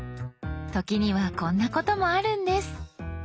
時にはこんなこともあるんです。